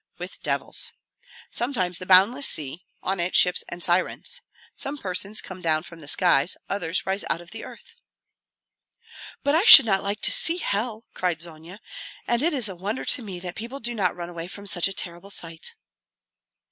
" with devils. Sometimes the boundless sea; on it ships and sirens. Some persons come down from the skies; others rise out of the earth." "But I should not like to see hell," cried Zonia, "and it is a wonder to me that people do not run away from such a terrible sight."